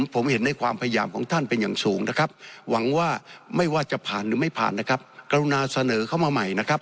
ผมเห็นในความพยายามของท่านเป็นอย่างสูงหวังว่าไม่ว่าจะผ่านหรือไม่ผ่านกรุณาเสนอเข้ามาใหม่